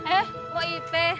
eh pak ipe